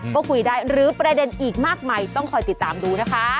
ก็คุยได้หรือประเด็นอีกมากมายต้องคอยติดตามดูนะคะ